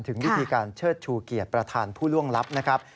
ถึงวิธีการเชิดชูเกียรติประธานผู้ล่วงลับนะครับ